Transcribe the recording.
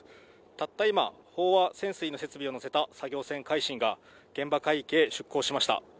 たった今、飽和潜水の設備を載せた作業船、海進が、現場海域へ出航しました。